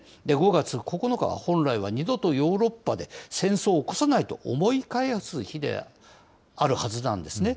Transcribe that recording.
５月９日は本来は二度とヨーロッパで戦争を起こさないと思い返す日であるはずなんですね。